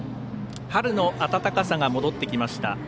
春の暖かさが戻ってきました。